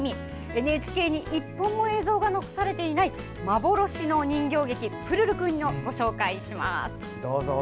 ＮＨＫに１本も映像が残されていない幻の人形劇「プルルくん」をご紹介します。